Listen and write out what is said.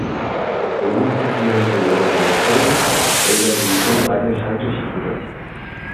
En un segmento durante el show, ella realizó varios saltos y giros.